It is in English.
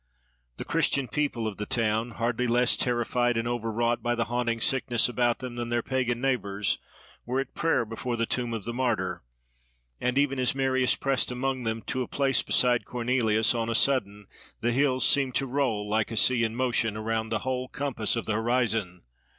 The Christian people of the town, hardly less terrified and overwrought by the haunting sickness about them than their pagan neighbours, were at prayer before the tomb of the martyr; and even as Marius pressed among them to a place beside Cornelius, on a sudden the hills seemed to roll like a sea in motion, around the whole compass of the horizon.